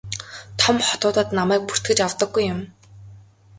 Том хотуудад намайг бүртгэж авдаггүй юм.